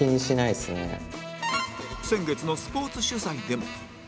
先月のスポーツ取材でも